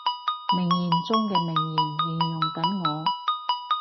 名言中嘅名言，形容緊我